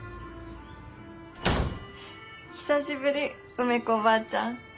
久しぶり梅子ばあちゃん。